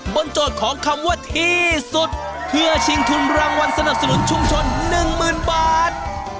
โจทย์ของคำว่าที่สุดเพื่อชิงทุนรางวัลสนับสนุนชุมชน๑๐๐๐บาท